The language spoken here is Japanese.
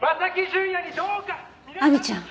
亜美ちゃん